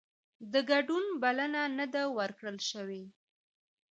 د ګډون بلنه نه ده ورکړل شوې